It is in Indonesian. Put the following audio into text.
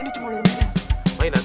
ini cuma ular mainan